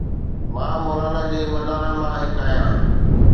مان مولانا جي مداحن مان هڪ آهيان.